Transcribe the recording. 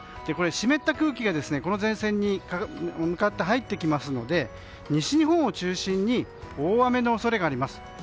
湿った空気が前線に向かって入ってきますので西日本を中心に大雨の恐れがあります。